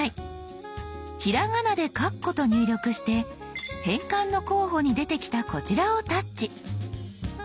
ひらがなで「かっこ」と入力して変換の候補に出てきたこちらをタッチ。